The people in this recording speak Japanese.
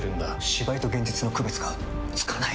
芝居と現実の区別がつかない！